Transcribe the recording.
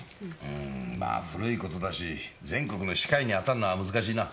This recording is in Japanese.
うんまあ古いことだし全国の歯科医にあたるのは難しいな。